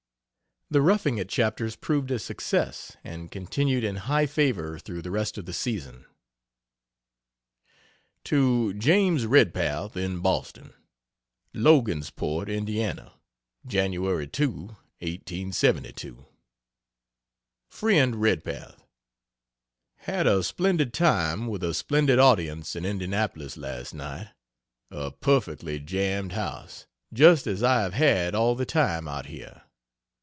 The "Roughing It" chapters proved a success, and continued in high favor through the rest of the season. To James Redpath, in Boston: LOGANSPORT, IND. Jan. 2, 1872. FRIEND REDPATH, Had a splendid time with a splendid audience in Indianapolis last night a perfectly jammed house, just as I have had all the time out here.